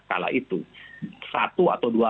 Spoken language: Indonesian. kala itu satu atau dua